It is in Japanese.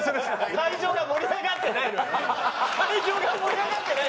会場が盛り上がってないのよ。